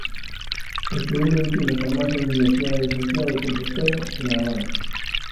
Estudou Medicina e Farmacia na Universidade de Santiago de Compostela e na Habana.